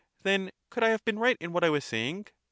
Then could I have been right in what I was saying?